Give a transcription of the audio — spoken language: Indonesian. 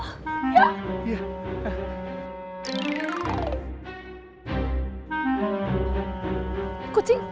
kok bisa ada kucing